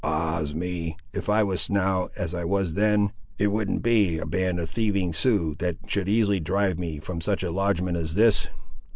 Ah's me! if I was now, as I was then, it wouldn't be a band of thieving Siouxes that should easily drive me from such a lodgment as this!